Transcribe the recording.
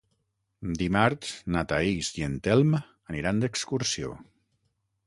Dimarts na Thaís i en Telm aniran d'excursió.